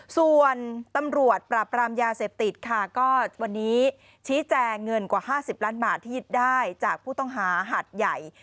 ส่วนตำรวจปราบรามยาเสพติดค่ะก็วันนี้ชี้แจงเงินกว่า๕๐ล้านบาทที่ยึดได้จากผู้ต้องหาหัดใหญ่